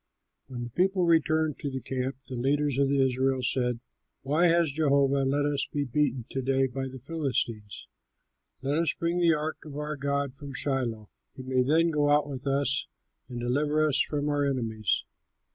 When the people returned to the camp, the leaders of Israel said, "Why has Jehovah let us be beaten to day by the Philistines? Let us bring the ark of our God from Shiloh. He may then go out with us and deliver us from our enemies."